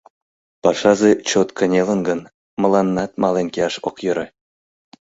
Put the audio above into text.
Пашазе чот кынелын гын, мыланнат мален кияш ок йӧрӧ.